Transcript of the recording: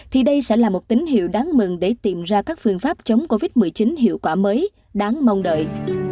thì đây sẽ là một tín hiệu đáng mừng để tìm ra các phương pháp chống covid một mươi chín hiệu quả mới đáng mong đợi